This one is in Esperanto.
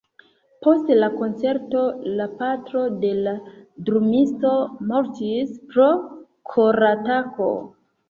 Post la koncerto, la patro de la drumisto mortis pro koratako.